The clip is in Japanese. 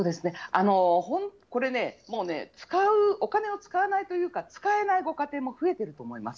これね、もうね、お金を使わないというか、使えないご家庭も増えていると思います。